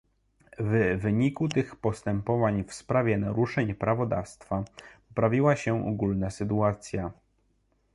W wyniku tych postępowań w sprawie naruszeń prawodawstwa, poprawiła się ogólna sytuacja